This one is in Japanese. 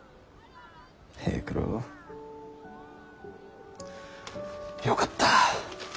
平九郎よかった。